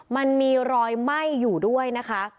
มันมีรอยไหม้อยู่ด้วยนะคะ